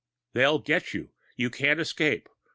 _They'll get you! You can't escape!